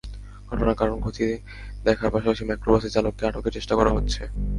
ঘটনার কারণ খতিয়ে দেখার পাশাপাশি মাইক্রোবাসের চালককে আটকের চেষ্টা করা হচ্ছে।